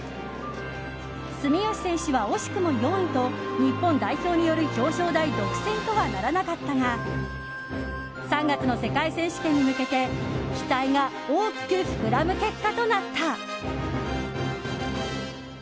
住吉選手は惜しくも４位と日本代表による表彰台独占とはならなかったが３月の世界選手権に向けて期待が大きく膨らむ結果となった。